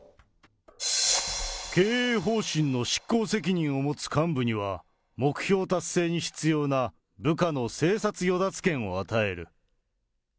経営方針の執行責任を持つ幹部には、目標達成に必要な部下の生殺与奪権を与える。